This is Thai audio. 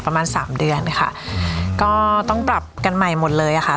ประมาณสามเดือนค่ะก็ต้องปรับกันใหม่หมดเลยอ่ะค่ะ